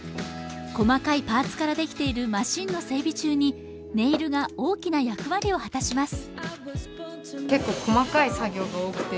細かいパーツからできているマシンの整備中にネイルが大きな役割を果たします。